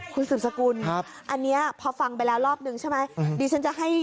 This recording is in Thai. คุณศึกสกุลครับอันนี้พอฟังไปแล้วรอบหนึ่งใช่ไหม